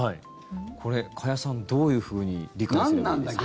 これ、加谷さんどういうふうに理解すればいいですか。